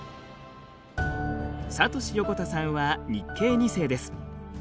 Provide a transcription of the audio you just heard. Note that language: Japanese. サトシ横田さんは日系２世です。